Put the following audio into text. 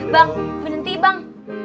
bang menenti bang